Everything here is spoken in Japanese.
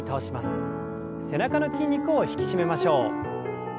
背中の筋肉を引き締めましょう。